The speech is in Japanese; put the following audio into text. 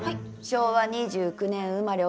昭和２９年生まれ